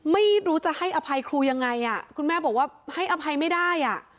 ไม่รู้จะให้อภัยครูยังไงอ่ะคุณแม่บอกว่าให้อภัยไม่ได้อ่ะ